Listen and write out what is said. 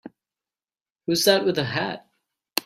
Who's that with the hat?